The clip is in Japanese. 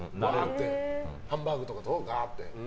ハンバーグとかと、ガーッて？